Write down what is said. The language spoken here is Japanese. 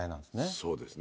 そうですね。